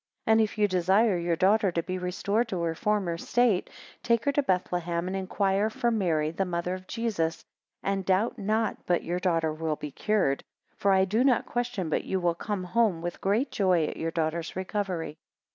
10 And if you desire your daughter to be restored to her former state, take her to Bethlehem, and inquire for Mary the mother of Jesus, and doubt not but your daughter will be cured; for I do not question but you will come home with great joy at your daughter's recovery.